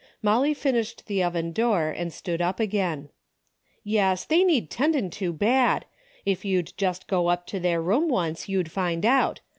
Molly finished the oven door and stood up again. "Yes, they need 'tendin' to bad. If you'd just go up to their room once you'd find out.